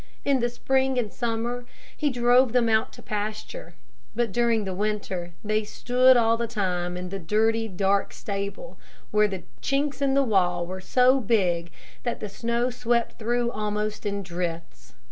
In the spring and summer he drove them out to pasture, but during the winter they stood all the time in the dirty, dark stable, where the chinks in the wall were so big that the snow swept through almost in drifts.